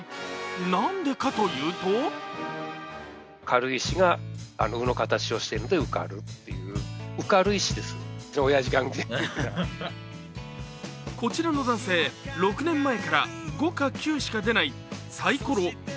なんでかというとこちらの男性、６年前から５か９しか出ないサイコロご